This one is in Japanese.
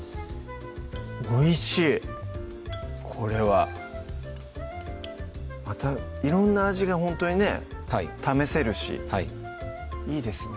おいしいこれは色んな味がほんとにね試せるしはいいいですね